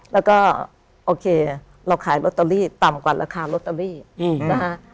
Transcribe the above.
แล้วก็โอเคเราขายลอตเตอรี่ต่ำกว่าราคาลอตเตอรี่นะคะ